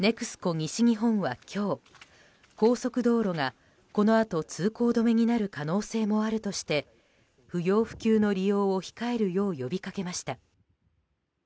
西日本は今日高速道路がこのあと通行止めになる可能性もあるとして不要不急の利用を控えるよう呼びかけました。